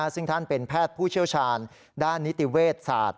ซึ่งท่านเป็นแพทย์ผู้เชี่ยวชาญด้านนิติเวชศาสตร์